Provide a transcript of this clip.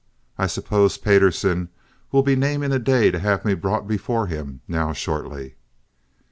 I suppose Payderson will be naming a day to have me brought before him now shortly."